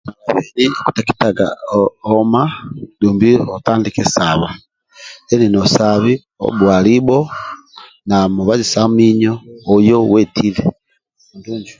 Dumbi okuteketaga oma dumbi otandike saba dumbi no osabi, obuwa libho na mubazi sa minyo oye wetile, andulu injo